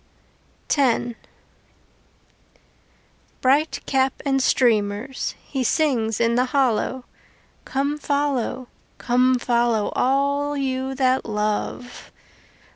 X Bright cap and streamers, He sings in the hollow: Come follow, come follow, All you that love.